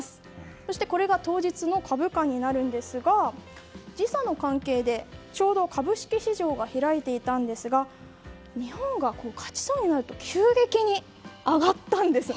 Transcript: そして、これが当日の株価になるんですが時差の関係でちょうど株式市場が開いていたんですが日本が勝ちそうになると急激に上がったんです。